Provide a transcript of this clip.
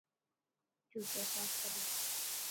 جوتا صاف ڪري رک.